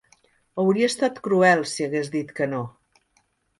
Hauria estat cruel si hagués dit que no.